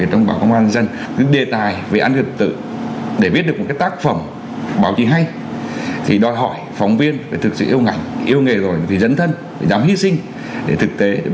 tổng công an dân và cán bộ chiến sĩ phóng viên biên tập viên